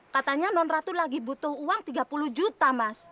katanya nonratu lagi butuh uang tiga puluh juta mas